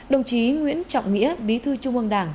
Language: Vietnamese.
đồng chí nguyễn trọng nghĩa bí thư trung ương đảng